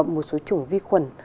một số trùng vi khuẩn